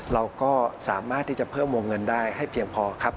เราก็สามารถที่จะเพิ่มวงเงินได้ให้เพียงพอครับ